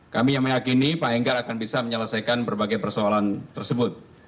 kami yang meyakini pak enggal akan bisa menyelesaikan berbagai persoalan tersebut